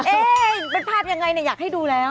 เอ๊ะเป็นภาพยังไงเนี่ยอยากให้ดูแล้ว